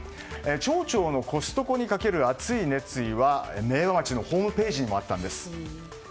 町長のコストコにかける熱い熱意は明和町のホームページにもあったんです。